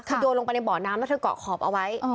คือโยนลงไปในบ่อน้ำแล้วเธอเกาะขอบเอาไว้